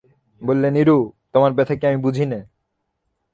বললে, নীরু, তোমার ব্যথা কি আমি বুঝি নে।